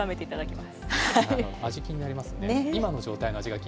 味、気になりますね。